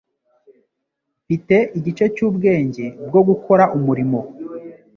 Mfite igice cyubwenge bwo gukora umurimo.